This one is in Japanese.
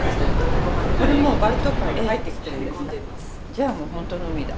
じゃあもうほんとの海だ。